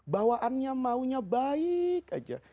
bawaannya maunya baik aja